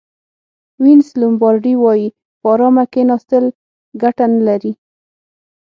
وینس لومبارډي وایي په ارامه کېناستل ګټه نه لري.